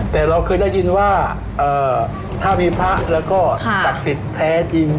แต่เราเคยได้ยินว่าถ้ามีพระแล้วก็ศักดิ์สิทธิ์แท้จริง